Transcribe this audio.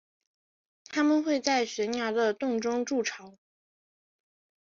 它们会在悬崖的洞中筑巢。